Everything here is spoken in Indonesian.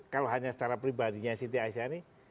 kalau hanya secara pribadinya siti aisyah ini